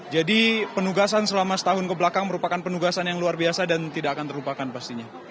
jadi penugasan selama setahun kebelakang merupakan penugasan yang luar biasa dan tidak akan terlupakan pastinya